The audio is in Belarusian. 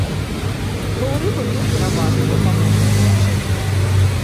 Лоў рыбы меў пераважна дапаможнае значэнне.